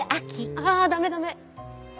あぁダメダメ！